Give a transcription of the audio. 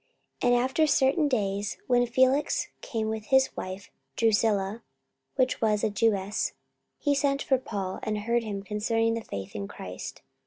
44:024:024 And after certain days, when Felix came with his wife Drusilla, which was a Jewess, he sent for Paul, and heard him concerning the faith in Christ.